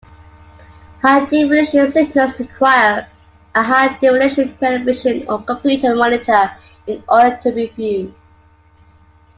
High-definition signals require a high-definition television or computer monitor in order to be viewed.